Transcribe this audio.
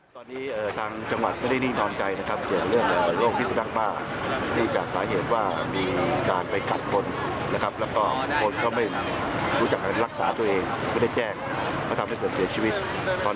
ตอนนี้ทางจังหวัดก็ได้นี่นอนใจนะครับเกี่ยวกับเรื่องโรคพิษสุนัขบ้า